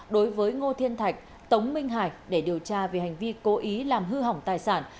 đối với ngô thiên thạch tống minh hải để điều tra về hành vi cố ý làm hư hỏng tài sản